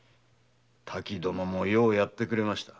たき殿もようやってくれました。